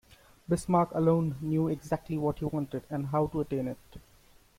Bismarck alone knew exactly what he wanted, and how to attain it.